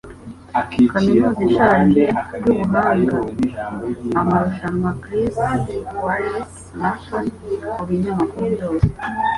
Kaminuza ishaje yubuhanga amarushanwa chris Wallace Morton mubinyamakuru byose.